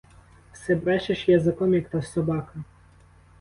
Все брешеш язиком, як та собака!